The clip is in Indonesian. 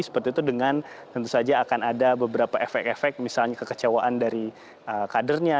seperti itu dengan tentu saja akan ada beberapa efek efek misalnya kekecewaan dari kadernya